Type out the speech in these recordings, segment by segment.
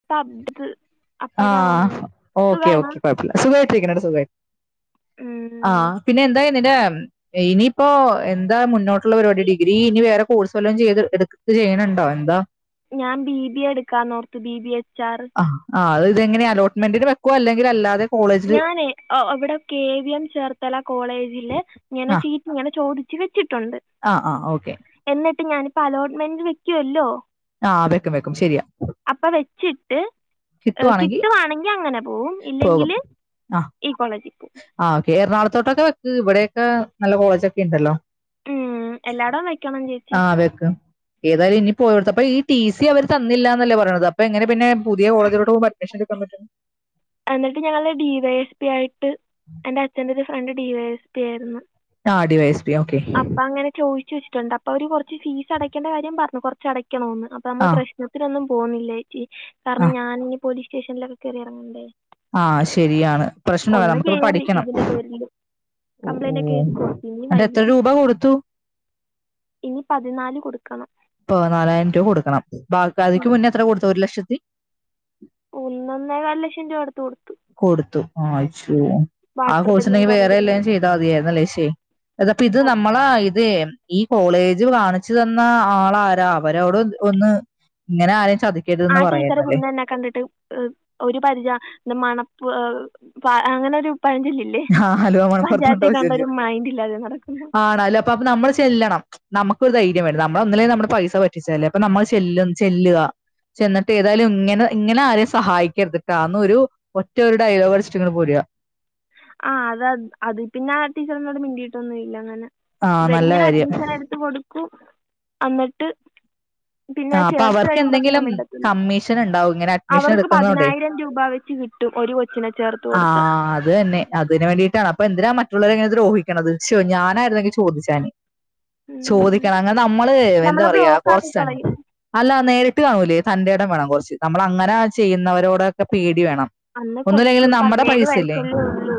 [unintelligible] അപ്പഴാ ആഹ വന്ന് ഓക്കെ സുഖാണോ ഓക്കെ കുഴപ്പമില്ല സുഖട്ടിരിക്ക സു ആ ഉം പിന്നെ എന്താ എന്റെ ഇനിയിപ്പോൊ എന്താ മുന്നോട്ടുള്ള പരിപാടി ഡിഗ്രി ഇനി വേറെ കോഴ്സ് വല്ലാം ചെയ്ത് എടു ഇത് ചെയ്യണണ്ടാവോ എന്താ ഞാൻ ബി ബി എടുക്കാന്നോഓർത്ത് ബി ബി എച്ച് ആർ ആ ആ അ ഇതെങ്ങനെ അോട്ട്മെന്റിന് വെക്കോ അല്ലെങ്കിൽ അല്ലാതെ കോളേജില് ഞാനേ ഇവിടെ കെ വി എം ചേർത്തല കോളേജില് ഇങ്ങനെ സീറ്റ് ഇങ്ങനെ ചോദിച്ചു വെച്ചിട്ടുണ്ട് ആ ആ ഓക്കെ എന്നിട്ട് ഞാനിപ്പ അലോട്ട്മെന്റ് വെക്കുവല്ലോ ആഹ് വെക്കും വെക്കും ശരിയാ അപ്പൊ വെച്ചിട്ട് കിട്ടുവാണെങ്കി കിട്ടുവാണെങ്കിൽ അങ്ങനെ പോവും പോകും ഇല്ലെങ്കിൽ ആഹ് ഈ കോളേജിപ്പു ആഹ് ക്കെ എറണാകളത്തോട്ടൊക്കെ വെക്ക് ഇവിടെയൊക്കെ നല്ല കോളേജ്ക്കെ ണ്ടല്ലോ. ഉം, എല്ലായിടവും വെക്കണം ചേച്ചി ആഹ് വെക്കം. ഏതായാലും ഇനി പോയട്ത്തപ്പ ഈ ടി സി അവര് തന്നില്ലാന്നല്ലേ പറയണത്. അപ്പൊ എങ്ങനെ പിന്നെ? പുതിയ കോളജിലോട്ട് പോകുമ്പോ അഡ്മിഷന്റെ സമയത്ത് എന്നിട്ട് ഞങ്ങള് ഡിവൈഎസ്പി ആയിട്ട് എന്റെ അച്ഛന്റെ ഒരു friend D Y S P ആയിരുന്നു. താഡി വൈഎസ് പി ഓക്കെ. അപ്പ അങ്ങനെ ചോയ്ച്ച് വെച്ചിട്ടൊണ്ട്. അപ്പ അവര് കൊറച്ച് ഫീസ് അടക്കേണ്ട കാര്യം പർഞ്ഞു കൊറച്ച് അടക്കണോന്ന്. അപ്പ നമ്മള് ആഹ് പ്രശ് ത്തിനൊന്നും പോവുന്നില്ലേച്ചി. ഈ കാരണം ആഹ് ഞാനിനി പോലീസ് സ്റ്റേഷനിലൊക്കെ കേറി എറങ്ങണ്ടേ? ആഹ് ശെരിയാണ്. പ്രശ്നവല്ല നമുക്കിപ്പ കയറി പഠിക്കണം. ഇതിന്റെ പേരിൽ ഓഹ് കംപ്ലൈന്റ് ഒക്കെ എഴുതി കൊടുത്തു ഇനി എന്ന്ട്ട് വയ്യ എത്ര രൂപ കൊടുത്തു? ഇനി പതിനാല് കൊടുക്കണം. പതിനാലായിരം രൂപ കൊടുക്കണം. ബ ഉം. അതിക്ക് മുന്നേ എത്ര കൊടുത്തു? ഒരു ലക്ഷത്തി ഒന്നന്നേകാൽ ലക്ഷം രൂപ അടുത്തുകൊടുത്തു. കൊടുത്തു ആച്ചോ ആ വാട്ടർ ബില്ലും കോഴ്സല്ലെങ്കി കറണ്ട് വേറെ വല്ലോം ബില്ലും ചെയ്താ മതിയായിര്ന്നല്ലേ ശേ അതപ്പ ഇത് നമ്മള ഇതെ ഈ കോളേജ് കാണിച്ചു തന്നാ ആളാരാ അവരോട് ഒന്ന് ഇങ്ങനെ ആരെയും ചതി ആ ടീച്ചറ് മുന്നെന്നെ കണ്ട്ട്ട് ഒരു പരിച മണപ്പു ഏ പ അങ്ങനെ ഒരു പഴഞ്ചോല്ലില്ലേ? ഹാ ആലുവ മണപൊറത്തണ്ട പരിജല്ല്യ. മൈൻഡ് ഇല്ലാതെ നടക്കുന്നു ആടാ ല്ല അപ്പ അപ്പ നമ്മള് ചെല്ലണം. നമുക്കൊരു ധൈര്യ വേരു നമ്മള ഒന്നില്ലേ നമ്മള് പൈസ പറ്റിച്ചല്ലേ അപ്പൊ നമ്മള് ചെല്ലു ചെല്ലുക. ചെന്നിട്ട് ഏതായാലും ഇങ്ങനെ ഇങ്ങനെ ആരെയും സഹായിക്കരുതിട്ടാ ന്ന് ഒരു ഒറ്റ ഒരു ഡയലോഗ് അടിച്ചിട്ട് ഇങ്ങട് പോര്ക. ആഹ് അത അത് പിന്നെ ആ ടീച്ചറിനോട് മിണ്ടീട്ടൊന്നും ഇല്ല അങ്ങനെ. ആ നല്ല ഇവെരിങ്ങനെ കാര്യം അഡ്മിഷൻ എ ത്ത് കൊടുക്കും അന്നട്ട് പിന്നെ ആ അപ്പൊ ചേർത്ത് അവർക്ക് കഴിയുമ്പോ പിന്നെ എന്തെങ്കിലും മിണ്ടത്തില്ല. കമ്മീഷൻ ഉണ്ടാവും ഇങ്ങനെ അഡ്മിഷൻ അവർക്ക് എടുക്കുന്നോണ്ടേ പതിനായിരം രൂപ വെച്ച് കി ട്ടും. ഒരു കൊച്ചിനെ ചേർത്ത് കൊടുത്താ. ആഹ് അത് തന്നെ. അതിന് വേണ്ടീട്ടാണ് അപ്പൊ എന്തിനാ മറ്റുള്ളോരെ ങ്ങനെ ദ്രോഹിക്കണത്. ശോ ഞാനായിരുന്നെങ്കി ചോദിച്ചേനെ. ചോദിക്കണം അങ്ങനെ നമ്മള് എന്താ നമ്മളെ പറയാ ബ്ലോക്കാക്കി കുറച് ത കളയും അല്ല നേരിട്ട് കാണൂലേ തന്റെടം വേണം കൊറച്ച്. നമ്മളെ അങ്ങനെ ചെയ്യുന്നവരോടൊക്കെ പേടി വേണം. അന്ന് കൊച്ച് ഒന്നുല്ലെങ്കിലും ഒരു നമ്മടെ പതിനേഴ് പൈസല്ലേ? വയസ്സല്ലേ ഉള്ളൂ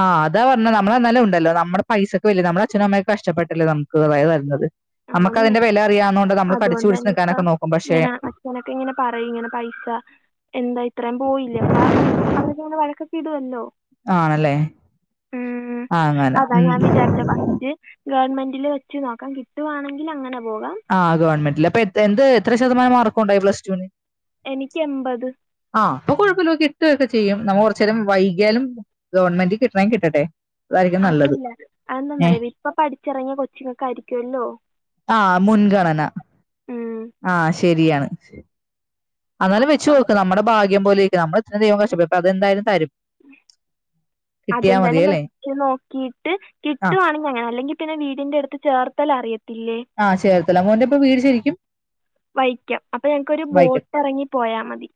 ആഹ് അതാ പർഞ്ഞെ നമ്മളന്നാലും ഉണ്ടല്ലോ നമ്മടെ പൈസക്ക് വെല നമ്മടെ അച്ഛനും അമ്മൊക്കെ കഷ്ടപ്പെട്ടല്ലേ നമുക്ക് അത് തര്ന്നത്. നമ്മക്ക് അതിന്റെ വെല അറിയാന്നൊണ്ട് നമ്മള് ഓ തന്നെ പ്പ ങ്ങനാ. അച്ഛനൊക്കെ ഇങ്ങനെ പറയും ഇങ്ങനെ പൈസ എന്താ ഇത്രയും പോയില്ലേ പ്പ അവരൊക്കെ വഴക്ക ക്കിടുമല്ലോ. ആണല്ലേ ആഹ് അങ്ങന അപ്പൊ അതാ ഉം ഞാൻ വിചാരിച്ചെ ഫസ്റ്റ് ഗവൺമെന്റിൽ വെച്ച് നോക്കാം കിട്ടുവാണെങ്കിൽ അങ്ങനെ പോകാം. ആഹ് ഗവൺമെന്റില്. അപ്പൊ എ എന്ത് എത്ര ശതമാനം മാർക്കുണ്ടായി പ്ലസ് ടു ന്? എനിക്ക് എമ്പത്. ആഹ് അപ്പൊ കൊഴപ്പല്ല കിട്ടൊക്കെ ചെയ്യും നമ്മ കൊറചെരം വൈകിയാലും ഗവൺമെന്റ് കിട്ട്ണെ കിട്ടട്ടെ. അതായിരിക്കും നല്ലത് അതല്ല ഏ അത്ന്താന്നറിയോ ഇപ്പ പഠിചെറങ്ങിയ കൊച്ചിങ്ങക്ക ആയിരിക്കല്ലോ ആ മുൻഗണന ആഹ് ശെരിയാണ്. അന്നാലും അപ്പൊ വെച്ചോക്ക്. അത് നമ്മടെ ഭാഗ്യം പോലിര്ക്കും. നമ്മ ഇത്ര ദൈവം കഷ്ടപെട്ത്താതെ ന്താലും തരും. കിട്ടിയാ മതി അതെന്താലും മ അല്ലേ നോക്കിട്ട് ആ കിട്ടുവാണെങ്കി അങ്ങനെ. അല്ലെങ്കി പിന്നെ വീടിന്റെ അടുത്ത് ചേർത്തല അറിയത്തില്ലേ? ആഹ് ചേർത്തല. മോന്റെ ഇപ്പ വീട് ശെരിക്കും? വൈക്കം. അപ്പ ഞങ്ങക്കൊരു വൈക്കത്ത് ബോട്ട് എറങ്ങി പോയാ മതി.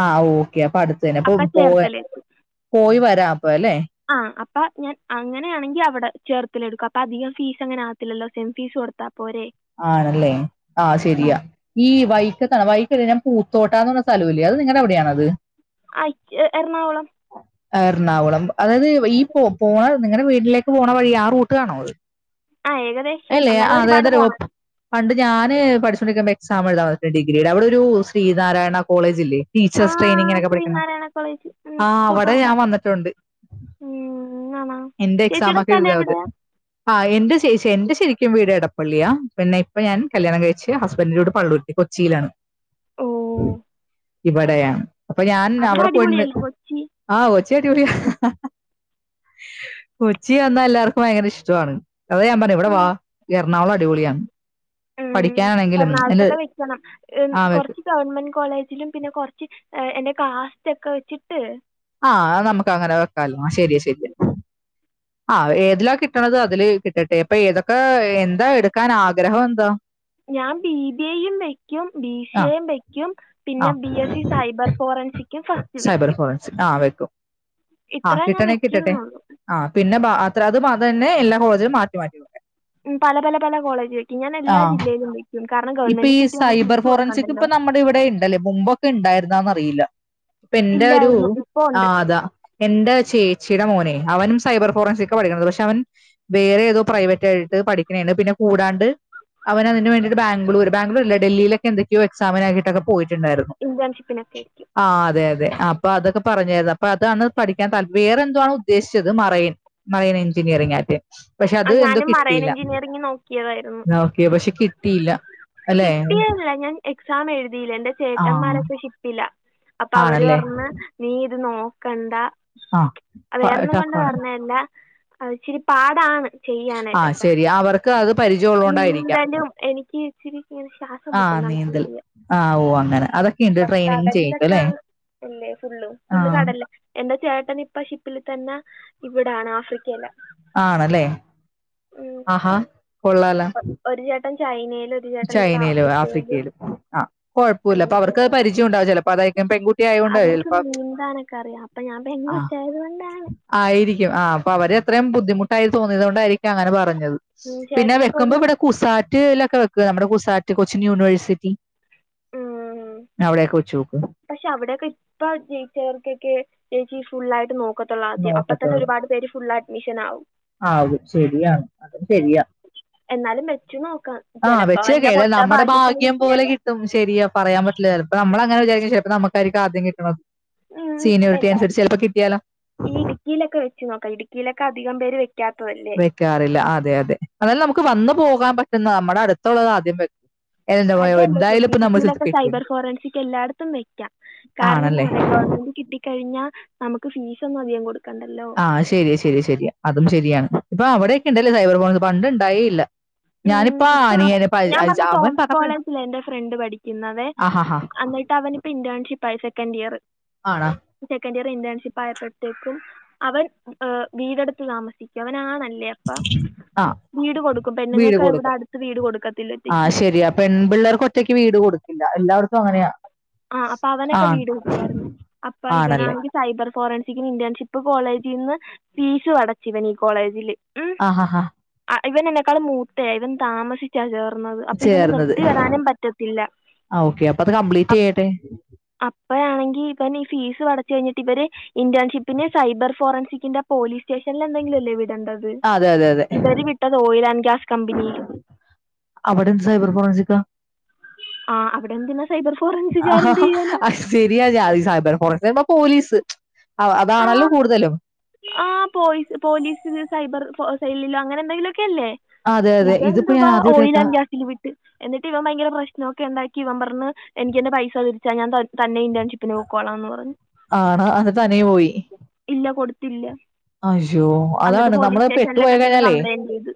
ആ ഓക്കെ അപ്പൊ അടുത്ത് തന്നെ അപ്പൊ അപ്പ പോവാൻ ചേർത്തലേല് പോയി വരാം. അപ്പൊ ല്ലെ? ആഹ് അപ്പ ഞാൻ അങ്ങനാണെങ്കി അവിടെ ചേർത്തല എടുക്കും. അപ്പൊ അധികം ഫീസ് അങ്ങനെ ആവത്തില്ലല്ലോ സെം ഫീസ് കൊടുത്താ മതി. പോരേ ആണല്ലേ ആ ശരിയാ ഈ വൈക്കത്താണ് വൈക്കല്ല ഞാൻ പൂത്തോട്ടാന്ന് പറഞ്ഞ സ്ഥല വല്ലേ അത് നിങ്ങളടെ അവിടെയാണത് ആ എറണാകുളം എറണാകുളം അതായത് ഈ പോ പോണ നിങ്ങളെ വീട്ടിലേക്ക് പോകണ വഴി ആ റൂട്ട് ആണോ അത് ആ ഏകദേശം അല്ലേ ആ എന്നാലും ഒരുപാട് അതായത് രോ- പോണം പണ്ട് ഞാന് പഠിച്ചൊണ്ടിരിക്കുമ്പോ എക്സാം എഴുതൻ വന്നിട്ടുണ്ട് ഡിഗ്രിയുടെ അവിടെ ഒരു ശ്രീനാരായണ കോളേജില്ലേ ആ ടീച്ചേഴസ് ട്രെയിനിങ്ങിനൊക്കെ പഠിക്കുന്ന ശ്രീനാരായണ കോളേജ് ഉം, ആ അവിടെ പൂത്തോട്ട ഞാൻ വന്നിട്ടുണ്ട് ഉം, ആണോ എന്റെ ചേച്ചിയുടെ എക്സാമൊക്കെ സ്ഥലം ആക്കരുതത് എവിടെയാണ് ആ എന്റെ എന്റെ ശരിക്കും വീട് എടപ്പള്ളിയാ പിന്നെ ഇപ്പൊ ഞാൻ കല്യാണം കഴിച്ച് ഹസ്ബൻ്റിൻ്റെ കൂടെ പള്ളൂരത്തി കൊച്ചിയിലാണ് ഓ ഇവിടെയാ അപ്പൊ ഞാൻ അവിടെ പോയിട്ടിണ്ട് അടിപൊളിയല്ലേ കൊച്ചി ആ കൊച്ചി അടിപൊളിയാ കൊച്ചി വന്നാ എല്ലാർക്കും ഭയങ്കര ഇഷ്ടമാണ് അതാ ഞൻ പറഞ്ഞു ഇവിടെ വാ എറണാകുളം അടിപൊളിയാണ് ഉം പഠിക്കാനാണെങ്കിലും അല്ല എറണാകുളത്തൊക്കെ വെക്കണം ആഹ് കൊറച്ച് ഗവൺമെന്റ് കോളേജിലും പിന്നെ കുറച്ച് എന്റെ കാസ്റ്റ് ഒക്കെ വെച്ചിട്ട് ആ അത് നമുക്ക് അങ്ങനെ വെക്കാലോ ആ ശരിയാ ശരിയാ ആ ഏതിലാ കിട്ടണത് അതില് കിട്ടട്ടെ അപ്പൊ ഏതൊക്കെ എന്താ എടുക്കാൻ ആഗ്രഹം എന്താ ഞാൻ ബി ബി എയും വെക്കും ബി സി ആഹ് എയും വെക്കും പിന്നെ ആഹ് B S C cyber forensic cyber forensic ആ വെക്കും ആ ഇത്രയും ഞാൻ കിട്ടണേ കിട്ടട്ടെ വയ്ക്കുന്നുള്ളൂ ആ പിന്നെ അത്ര അതും അത് തന്നെ എല്ലാ കോളേജും മാറ്റി മാറ്റി ഉണ്ട് ഉം പല പല പല കോളേജിലക്കും ഞാൻ എല്ല ആഹ് ജില്ലയിലും കാരണം ഇപ്പൊ ഗവൺമെൻറ്റിൽ ഈ കിട്ടി നമ്മൾ സൈബർ തിരിച്ച് ഫോറൻസിക് കൊടുക്കണ്ടല്ലോ ഇപ്പൊ നമ്മുടെ ഇവിടെ ഉണ്ടല്ലേ മുമ്പൊക്കെ ഉണ്ടായിരുന്നൊന്നറിയില്ല ഇപ്പ എന്റെ ഒരു ഇല്ലായിരുന്നു. ഇപ്പൊ ആ ഉണ്ട്. അതാ എന്റെ ചേച്ചിയുടെ മോനെ അവൻ സൈബർ ഫോറൻസിക്ക പഠിക്കുന്നത് പക്ഷെ അവൻ വേറെ ഏതോ പ്രൈവറ്റ് ആയിട്ട് പഠിക്കണാണ് പിന്നെ കൂടാണ്ട് അവൻ അതിന് വേണ്ടിട്ട് ബാങ്ക- ബാഗ്ലൂര് ബാഗ്ലൂരല്ല ഡൽഹിയിലൊക്കെ എന്തൊക്കെയ എക്സാമിനാക്കിട്ടൊക്കെ പോയിട്ടുണ്ടായിരുന്നു ഇന്റേൺഷിപ്പിനൊക്കെയായിരിക്കും ആ അതെ അതെ അപ്പൊ അതൊക്കെ പറഞ്ഞേരുന്നു അപ്പൊ അതാണ് പഠിക്കാൻ താല് വെറെ എന്തുവാണ് ഉദ്ദേശിച്ചത് മറയിൻ മറയിൻ എഞ്ചിനീയറിംഗ് ആട്ടെ പക്ഷെ ആ അത് എന്തോ ഞാനും മറൈൻ കിട്ടിയില്ല എഞ്ചിനീയറിംഗ് നോക്കിയതായിരുന്നു. ഓക്കെ പക്ഷെ കിട്ടിയില്ല അല്ലെ കിട്ടിയതാ ഞാൻ എക്സാം എഴുതിയില്ല എൻെറ ആ ചേട്ടന്മാരൊക്കെ ഷിപ്പിലാ അപ്പൊ അവര് ആണല്ലേ പറഞ്ഞ് നീ ഇത് നോക്കണ്ട ആ അത് വേറൊന്നും കൊണ്ട് ടഫാണ് പറഞ്ഞല്ല അത്ച്ചിരി പാടാണ് ആ ചെയ്യാനായിട്ടൊക്കെ ശരി അവർക്ക് അത് പരിചയം ഉള്ളോണ്ടായിരിക്കാം നീന്തലും എനിക്ക് ഇച്ചിരി ഇങ്ങനെ ശ്വാസം ആ മുട്ടും തണുപ്പ് നീന്തൽ കൂടിയ. ആ ഓ അങ്ങനെ അതൊക്കെ ഇണ്ട് അപ്പൊ ട്രെയിനിങ് കടലിലൊക്കെ ചെയ്യുമ്പോല്ലെ അല്ലേ ഫുള്ള് ഫുള്ള് കടൽലാ എന്റെ ചേട്ടൻ ഇപ്പ ഷിപ്പിൽ തന്നെ ഇവിടെണ് ആഫ്രിക്കയിലാ ആണല്ലേ ഉം. ആഹാ കൊള്ളാല ഒരു ചേട്ടൻ ചൈനേലും ചൈനയിലും ആഫ്രിക്കയിലും ആ കൊഴപ്പല്ല അപ്പൊ അവർക്ക് അങ്ങനെയൊക്കെയായിട്ട് നടക്കും പരിചയം ഉണ്ടാവ ചിലപ്പോ അതായിരിക്കും പെൺകുട്ടി ആയോണ്ട് അവർക്ക് ചിലപ്പോ നീന്താനൊക്കെ അറിയാം അപ്പൊ ഞാൻ പെൺ ആ കൊച്ചായത് കൊണ്ടാണ് ആയിരിക്കും ആ അപ്പൊ അവര് എത്രയും ബുദ്ധിമുട്ടായി തോന്നിയത് കൊണ്ടായിരിക്കും അങ്ങനെ പറഞ്ഞത് പിന്നെ ചേട്ടനൊക്കെ വെക്കുമ്പോ ഒരു ഇവിടെ കുസാറ്റ്ലൊക്കെ വെക്കും നമ്മുടെ കുസാറ്റ് കൊച്ചിൻ യൂണിവേഴ്സിറ്റി ഉം അവിടൊക്കെ വിളിച്ച് നോക്ക് പക്ഷെ അവിടൊക്കെ ഇപ്പ ജയിച്ചവർക്കൊക്കെ ചേച്ചി ഫുള്ള് ആയിട്ട് നോക്കു പക്കത്തുള്ള ആദ്യം അപ്പൊ തന്നെ നോക്കത്തുള്ളൂ ഒരുപാട് പേര് ഫുള്ള് അഡ്മിഷൻ ആകും ആകും. ശരിയാണ് അതും ശരിയാ എന്നാലും വെച്ച് നോക്കാം ആഹ് ചിലപ്പോൾ വല്ല വെച്ചകേല പൊട്ട നമ്മുടെ ഭാഗ്യത്തിന് ഭാഗ്യം പോലെ കിട്ടിയാൽ കിട്ടും ശരിയാ പറയാൻ പറ്റില്ല ചെലപ്പോ നമ്മള അങ്ങനെ വിജാരിക്കും ചെലപ്പോ നമുക്കയിരിക്കും ആദ്യം കിട്ടണത് അപ്പം സീനിയോറിറ്റി എല്ലാ അനുസരിച്ച് ചിലപ്പോ കിട്ടിയാലോ ഈ ഇടുക്കിയിലൊക്കെ വെച്ച് നോക്കാം ഇടുക്കിയിലൊക്കെ അധികം പേര് വെക്കാത്തതല്ലേ കാറില്ല അതെ അതെ അതേലെ നമുക്ക് വന്നു പോകാൻ പറ്റുന്ന നമ്മുടെ അടുത്തുള്ളത് ആദ്യം വേ അതല്ല കുട്ടി ഇടുക്കിലൊക്കെ കിട്ടും. സൈബർ ഫോറൻസിക് എല്ലായിടത്തും വെക്കാം കാരണം എന്ന് ആണല്ലേ? പറയാ ഗവൺമെന്റ് കി ട്ടി കഴിഞ്ഞാ നമുക്ക് ഫീസ് ഒന്നും അധികം കൊടുക്കണ്ടല്ലോ ആഹ് ശരി ശരി ശരി അതും ശരിയാണ് ഇപ്പൊ അവിടെയക്കെണ്ടല്ലേ സൈബർ ഫോഴ്സ് പണ്ട്ണ്ടായെയില്ല ഉം ഇപ്പം ഞാൻ പറഞ്ഞ അവൻ ടോംസ് പറഞ്ഞപ്പഴാ കോളേജില എന്റെ ഫ്രണ്ട് പഠിക്കുന്നുന്നദേ ആഹാഹാ. അന്നി ട്ട് അവന് ഇപ്പൊ ഇന്റേൺഷിപ്പയി സെക്കന്റ് ഇയറ് ആണ സെക്കൻഡ് ഇയർ ഇന്റേൺഷിപ്പ് ആയപ്പോഴത്തേക്കും അവൻ ഉഹ് വീടെടുത്ത് താമസിക്ക അവൻ ആണല്ലിയോ അപ്പം ആ വീട് കൊടുക്കും വീട് പെണ്ണുങ്ങൾക്ക് എവിടെ കൊടുക്കും. അടുത്ത് വീട് കൊടുക്കത്തില്ല ആ ഒറ്റയ്ക്ക് ശരിയാ. പെൺപിള്ളേർക്ക് ഒറ്റയ്ക്ക് വീട് കൊടുക്കില്ല എല്ലാവർക്കും അങ്ങനെയാ ആഹ് അപ്പൊ അവനൊക്കെ ആണ് വീട് കിട്ടിയായിരുന്നു അപ്പൊ ആണല്ലേ? ഇവനാന്നെങ്കി സൈബർ ഫോറൻസിക് ഇന്റേൺഷിപ്പ് കോളേജിന്ന് ഫീസും അടച്ചു ഇവൻ ഈ കോളേജില് ആഹ് ഹ ഹ ഇവൻ എന്നെക്കാളും മൂത്തയ ഇവൻ താമസിച്ചാ ചേർന്നത് അപ്പൊ ഇവന് നിർത്തി വരാനും പറ്റത്തില്ല അഹ് ഓക്കെ അപ്പൊ അത് കംപ്ലീറ്റ്യ്യട്ടെ അപ്പ ആണെങ്കി ഇവന് ഈ ഫീസ് അടച്ചു കഴിഞ്ഞിട്ട് ഇവര് ഇന്റേൺഷിപ്പിന് സൈബർ ഫോറൻിസിക്കിന്റെ പോലീസ് സ്റ്റേഷനിൽ എന്തെങ്കിലും അല്ലേ വിടേണ്ട ത് ആ, അതെ അതെ അതെ ഇവര് വിട്ടത് ഓയിൽ ആൻ്റ് ഗ്യാസ് കമ്പനില് അവിടെന്ത് സൈബർ ഫോറൻസിക്ക ആഹ് അവിടെ എന്തിനാ സൈബർ ഫോറൻസിക്കാര് എന്ത് ആഹാഹാ. ചെയ്യാന അത് ശരിയാ ജാ സൈബർഫോറെൻസിക് പോലീസ് അതാണല്ലോ കൂടുതലും ആഹ് പോയിസ് പോലീസ് സൈബർ സെലിലോ അങ്ങനെ എന്തെങ്കിലുക്കെ അല്ലേ ആ, അതെ അതെ ഇതിപ്പോ ഞാൻ ഇതെന്തുവാ ഓയിൽ ആദ്യമായിട്ടൊക്കെ ആൻഡ് ഗ്യാസ് വി എന്നിട്ട് ഇവൻ ഭയങ്ക പ്രശ്നം ഒക്കെ ഉണ്ടാക്കി ഇവൻ പറന്ന് എനിക്ക് എൻ്റെ പൈസ തിരിച്ചാ ഞാൻ ത തന്നെ ഇന്റെർ ഷിപ്പിനു പോക്കോളാന്ന് പറഞ്ഞു ആണ അത് തനിയെ പോയി ഇല്ല കൊടുത്തില്ല അശ്യോ എന്നിട്ട് അതാണ് പോലീസ് നമ്മള് പെട്ടു പോയി സ്റ്റേഷനിലൊക്കെ ചെന്ന് കഴിഞ്ഞാലേ കംപ്ലൈന്റ് ചെയ്ത്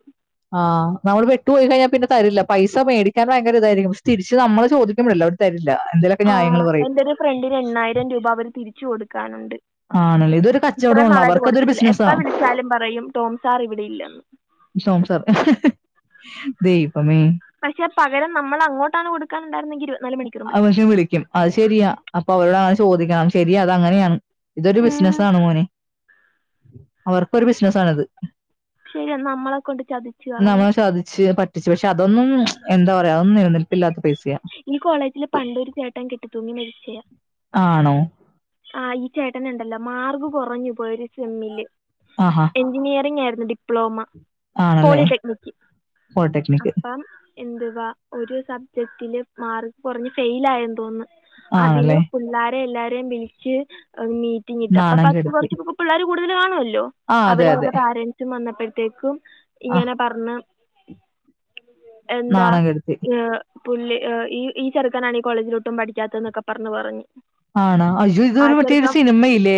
ആഹ് നമ്മള് പെട്ടു പോയി കഴിഞ്ഞാ പിന്നെ തരില്ല പൈസ മേടിക്കാൻ ഭയങ്കര ഇതായിരിക്കു പക്ഷെ തിരിച്ച് നമ്മള് ചോദിക്കുബോള തരില്ല എന്തെലൊക്കെ ന്യായങ്ങള് പറയും എൻ്റെ ഒരു ഫ്രണ്ടിന് എണ്ണായിരം രൂപ അവര് തിരിച്ചു കൊടുക്കാനുണ്ട് ആണല്ലേ ഇതൊരു ഇത്രയും കച്ചവടമുള്ള നാളായിട്ട് അവർക്കതൊരു കൊടുത്തിട്ടില്ല എപ്പ ബിസിനസ്സാണ് വിളിച്ചാലും പറയും ടോം സാർ ഇവിടെ ഇല്ലന്ന് ടോം സാറ് ദൈവമേ പക്ഷെ പകരം നമ്മൾ അങ്ങോട്ടാണ് കൊടുക്കാനുണ്ടായിരുന്നെങ്കില് അത് പക്ഷേ വിളിക്കും അത് ശരിയാ അപ്പൊ അവരോട് അങ്ങനെ ചോദിക്കണം ശരി അത് അങ്ങനെയാണ് ഇതൊരു ഉം ബിസിനസ്സാണ് മോനെ അവർക്കൊരു ബിസിനസ്സാണത് ശരിയ നമ്മളെ കൊണ്ട് ചതിച്ചു കളഞ്ഞു ചതിച്ചേ പ റ്റിച്ച് പക്ഷെ അതൊന്നും എന്താ പറയാ അതന്നും നിലനിൽപ്പില്ലാത്ത പൈസയാ ഈ കോളേജില് പണ്ടൊരു ചേട്ടൻ കെട്ടി തൂങ്ങി മരിച്ചേയ ആണോ ആഹ് ഈ ചേട്ടന്ണ്ടല്ലോ മാർഗ് കുറഞ്ഞു പോയി ഒരു സെമ്മില് ആഹാ എൻജിനീയറിംഗ് ആര്ന്ന് ഡിപ്ലോമ ആണല്ലേ പോളിടെക്നിക്ക് പോളിടെക്നിക് അപ്പം എന്തുവാ ഒരു സബ്ജക്റ്റില് മാർക്കൊർഞ്ഞ് ഫെയ്ലായെന്ന് തോന്ന് അതിന് ആണല്ലേ പുള്ളാരെ എല്ലാരെം വിളിച്ച് മീറ്റിങ്ങിട്ട് അപ്പൊ നാണം [unintelligible] കെടുത്തി കൊർച്ച് പിള്ളേർ കൂടുതൽ കാണ്വോല്ലോ ആ അതെ അവര് അതെ അവര്ടെ പാരന്റ്സും വന്നപ്പഴ്ത്തേക്കും ആ ഇങ്ങനെ പൻഞ്ഞ് എന്താ നാണം കെടുത്തി ഏഹ് പുല്ല് ഈ ഈ ചെറുക്കനാണ് ഈ കോളേജിലൊട്ടും പഠിക്കാത്തെന്നൊക്കെ പർഞ്ഞ് പറഞ്ഞ് ആണോ അയ്യോ ആ ഇതൊരു മറ്റേ ഒരു ചെറുക്കൻ സിനിമയില്ലേ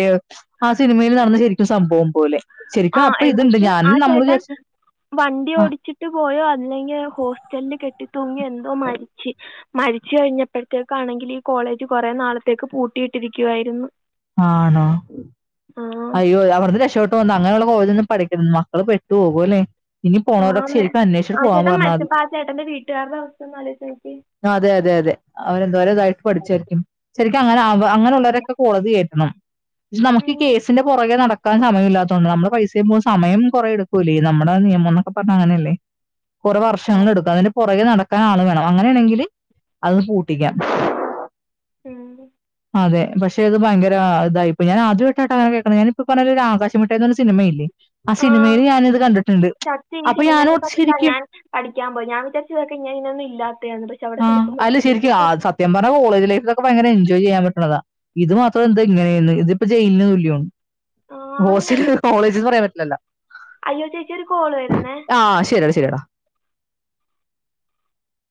ആസ് സിനിമേൽ നടന്ന ശരിക്കും സംഭവം പോലെ ആ ശരിക്കും അപ്പ ഇത്ണ്ട് എന്നിട്ട് ഞാൻ ആ നമ്മള് ചേട്ടൻ വിചാര്ച്ച് വണ്ടി ഓടിച്ചിട്ട് പോയോ അല്ലെങ്കി ഹോസ്റ്റല്ല് കെട്ടി തൂങ്ങി എന്തോ മര്ച്ച് മരിച്ചു കഴിഞ്ഞപ്പഴ്ത്തേക്കാണെങ്കിൽ ഈ കോളേജ് കൊറേ നാളത്തേക്ക് പൂട്ടിയിട്ടിരിക്കുവായിരുന്നു ആണോ അയ്യോ അവിട്ന്ന് രക്ഷപ്പെട്ട് വന്നൊ അങ്ങനൊള്ള കോളേജൊന്നും പഠിക്കണ്ട മക്കള് പെട്ടോകും അല്ലേ ഇനി പോണവരൊക്കെ ആന്നെ ശരിക്കും അന്വേഷിച്ചിട്ട് ആഹ് പോകാൻ ചേട്ടൻ പറഞ്ഞാൽ മതി മര്ച്ചപ്പോ ആഹ് ചേട്ടെന്റെ വീട്ടാര്ടവസ്ഥൊന്ന് ആലോയ്ച്ചോക്ക്യേ അതെ അതെ അതെ അവന് എന്തോരം ഇതായിട്ട് പഠിച്ചാര്ക്കും ശരിക്കും അങ്ങനെ അങ്ങനൊള്ളോരൊക്കെ കോടതി കേറ്റണം പക്ഷെ നമുക്ക് പൊറകെ നടക്കാൻ സമയല്ലാത്തോണ്ടാ നമ്മളെ പൈസെം പോം സമയം കൊറേ എടുക്കൂല്ലീ നമ്മടെ നിയമന്നൊക്ക പർഞ്ഞാ അങ്ങനെല്ലേ കൊറെ വർഷങ്ങളിടുക്കും അതിന്റെ പൊറകെ നടക്കാൻ ആള് വേണം അങ്ങനെ ആണെങ്കില് അത് പൂട്ടിക്കാം ഉം അതെ പഷേത് ഭയ്ങ്കരാ ഇതായിപ്പോയി ഞാൻ ആദ്യായ്ട്ടാട്ടാ അങ്ങനെ കേക്ക്ണേ ഞാനിപ്പ പർഞ്ഞ ഒരു ആകശമുട്ടെ എന്നൊരു സിനിമയില്ലേ ആ ആഹ് സിനിമയിൽ ഞാനിത് കണ്ടിട്ടുണ്ട് സത്യം ഈ അപ്പൊ സിനിമെക്കെ ഞാനോട് കണ്ടിട്ട ശരിക്കും ഞാൻ പഠിക്കാൻ പോയി ഞാൻ വിചാര് [unintelligible] ഇല്ലാത്തെയാണ് പക്ഷെ അവിടെ ചെന്നപ്പം [unintelligible] ത്യം പർണാ കോളേജ് ലൈഫ് കെ ഭയ്ങ്കര എൻജോയ് ചെയ്യാൻ പറ്റ്ണതാ ഇത് മാത്രൊ എന്താ ഇങ്ങെനേന്ന ഇതിപ്പ ജയിൽന് തുല്യോൺ ആന്നെ ഹോസ്റ്റല് കോളേജിന്ന് പറയാൻ പറ്റ്ലല്ലാ അയ്യോ ചേച്ചി ഒരു കോള് വര്ന്നേ ആഹ് ശരിടാ ശരിടാ